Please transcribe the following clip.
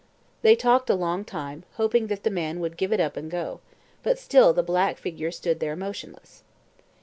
They talked a long time, hoping that the man would give it up and go; but still the black figure stood there motionless.